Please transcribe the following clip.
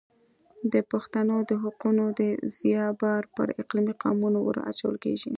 د پښتنو د حقونو د ضیاع بار پر اقلیتي قومونو ور اچول کېږي.